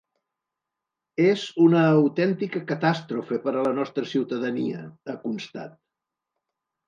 “És una autèntica catàstrofe per a la nostra ciutadania”, ha constat.